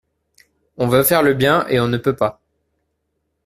On veut faire le bien et on ne peut pas.